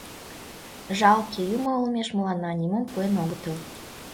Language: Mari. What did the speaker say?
Жалке, юмо олмеш мыланна нимом пуэн огытыл.